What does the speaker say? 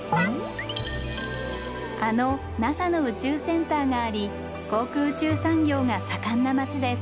あのＮＡＳＡの宇宙センターがあり航空宇宙産業が盛んな町です。